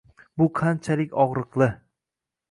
Bu qanchalik og`riqli